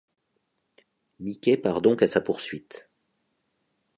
Mickey part donc à sa poursuite.